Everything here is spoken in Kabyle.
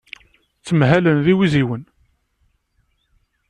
Ttmahalen d iwiziwen.